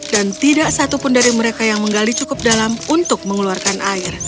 dan tidak satupun dari mereka yang menggali cukup dalam untuk mengeluarkan air